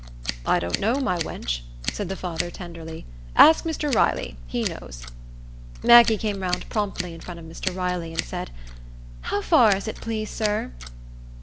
"I don't know, my wench," said the father, tenderly. "Ask Mr Riley; he knows." Maggie came round promptly in front of Mr Riley, and said, "How far is it, please, sir?"